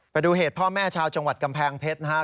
ไปดูเหตุพ่อแม่ชาวจังหวัดกำแพงเพชรนะครับ